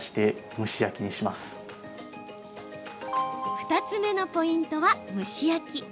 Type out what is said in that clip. ２つ目のポイントは蒸し焼き。